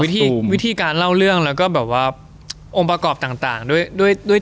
วิธีการเล่าเรื่องแล้วก็แบบว่าองค์ประกอบต่างด้วยด้วย